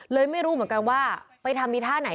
ไม่รู้เหมือนกันว่าไปทำอีท่าไหน